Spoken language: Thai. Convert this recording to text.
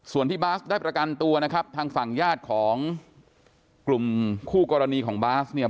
ส่วนที่บาสได้ประกันตัวนะครับทางฝั่งญาติของกลุ่มคู่กรณีของบาสเนี่ย